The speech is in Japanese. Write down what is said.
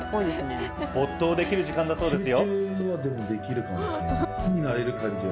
没頭できる時間だそうですよ。